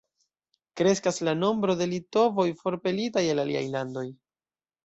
Kreskas la nombro de litovoj forpelitaj el aliaj landoj.